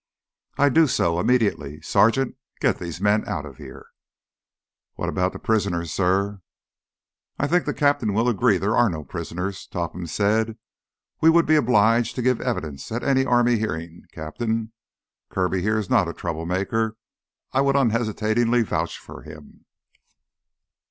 "I do so—immediately! Sergeant, get these men out of here!" "What about the prisoners, sir?" "I think the captain will agree there are no prisoners," Topham said. "We would be obliged to give evidence at any army hearing, Captain. Kirby here is not a troublemaker. I would unhesitatingly vouch for him."